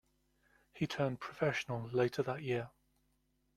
He turned professional later that year.